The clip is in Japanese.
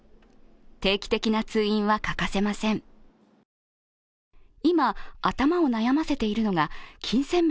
定期的な通院は欠かせません。